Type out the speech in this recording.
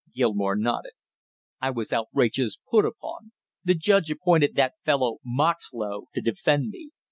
Gilmore nodded. "I was outrageous put upon! The judge appointed that fellow Moxlow to defend me!